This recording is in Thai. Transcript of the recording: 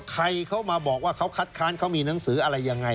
ใครเขามาบอกว่าเขาคัดค้านเขามีหนังสืออะไรยังไง